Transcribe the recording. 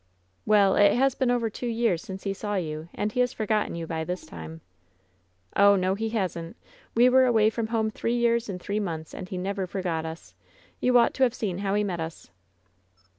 "Well, it has been over two years since he saw you, and he has forgotten you by this time." "Oh, no, he hasn't. We were away from home three years and three months, and he never forgot us. You ought to have seen how he met us!"